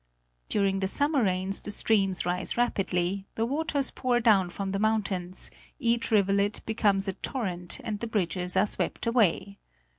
During the summer rains the streams rise rapidly ; the waters pour down from the mountains, each rivulet becomes a torrent and the bridges are swept away.